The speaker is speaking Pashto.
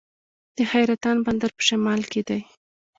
د حیرتان بندر په شمال کې دی